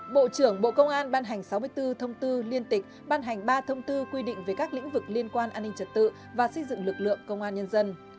bộ trưởng bộ công an ban hành sáu mươi bốn thông tư liên tịch ban hành ba thông tư quy định về các lĩnh vực liên quan an ninh trật tự và xây dựng lực lượng công an nhân dân